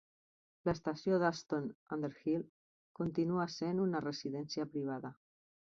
L'estació d'Ashton under Hill continua sent una residència privada.